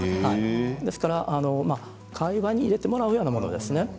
ですから会話に入れてもらうようなものですね。